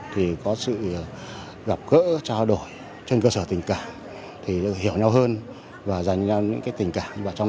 thì có sự gặp gỡ trao đổi trên cơ sở tình cảm hiểu nhau hơn và dành nhau những tình cảm